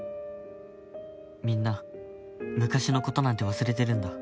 みんな昔のことなんて忘れてるんだ